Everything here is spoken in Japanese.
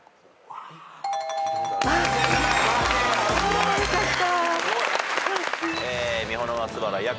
あよかった。